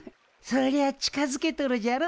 そりゃ近づけとるじゃろ。